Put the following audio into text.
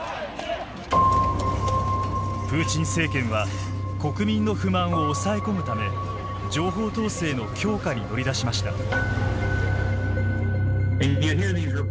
プーチン政権は国民の不満を抑え込むため情報統制の強化に乗り出しました。